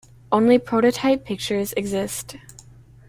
Only prototype pictures exist.